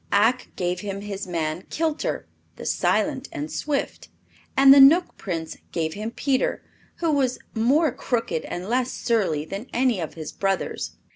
Ak gave him his man Kilter, "the silent and swift." And the Knook Prince gave him Peter, who was more crooked and less surly than any of his brothers.